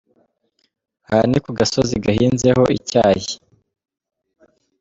aha ni ku gasozi gahinzeho icyayi.